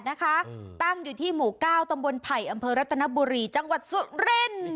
๑๙๙๘นะคะตั้งอยู่ที่หมูก้าวตำบลไผ่อำเภอรัฐนบุรีจังหวัดสุรินทร์